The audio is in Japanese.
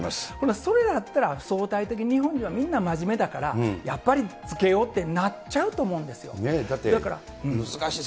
それだったら相対的に日本人はみんな真面目だから、やっぱり着けようってなっちゃうと思うんです難しい。